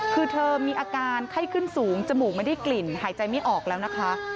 คือเธอมีอาการไข้ขึ้นสูงจมูกไม่ได้กลิ่นหายใจไม่ออกแล้วนะคะ